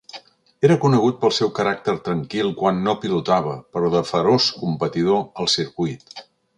Era conegut pel seu caràcter tranquil quan no pilotava, però de feroç competidor al circuit.